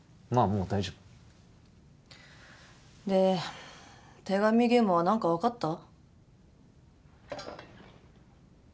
もう大丈夫で手紙ゲームは何か分かった？